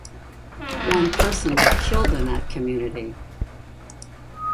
One person was killed in that community.